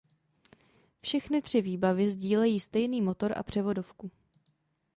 Všechny tři výbavy sdílejí stejný motor a převodovku.